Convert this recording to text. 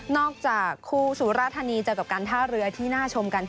จากคู่สุราธานีเจอกับการท่าเรือที่น่าชมกัน